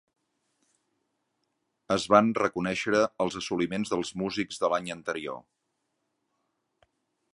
Es van reconèixer els assoliments dels músics de l'any anterior.